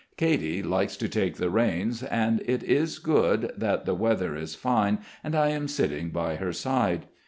Katy likes to take the reins, and it is good that the weather is fine and I am sitting by her side.